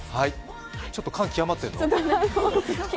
ちょっと感極まってるの？